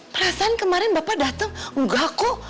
perasaan kemarin bapak dateng enggak kok